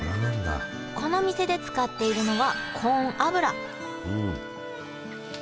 この店で使っているのはうん。